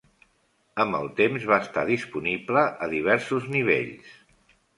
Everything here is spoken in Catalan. Amb el temps va estar disponible a diversos nivells.